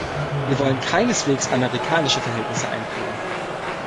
Wir wollen keineswegs amerikanische Verhältnisse einführen.